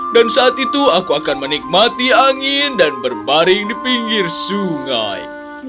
dan saat itu aku akan menikmati angin dan berbaring di pinggir sungai